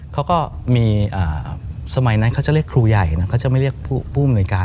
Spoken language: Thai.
เขาก็มีสมัยนั้นเขาจะเรียกครูใหญ่นะเขาจะไม่เรียกผู้อำนวยการ